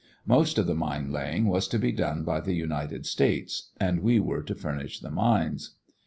Most of the mine laying was to be done by the United States and we were to furnish the mines.